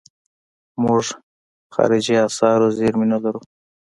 موږ د خارجي اسعارو زیرمې نه لرو.